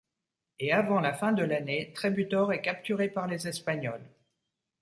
Et, avant la fin de l'année, Trébutor est capturé par les Espagnols.